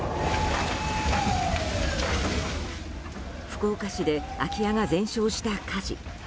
福岡市で空き家が全焼した火事。